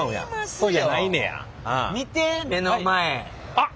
あっ！